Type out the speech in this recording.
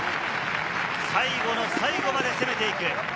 最後の最後まで攻めて行く。